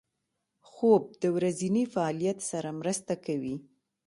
خوب د ورځني فعالیت سره مرسته کوي